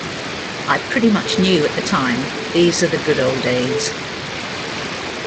I pretty much knew at the time, 'These are the good ole days.